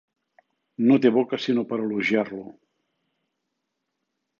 No té boca sinó per a elogiar-lo!